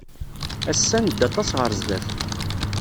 Ass-a, nedda aṭas ɣer sdat.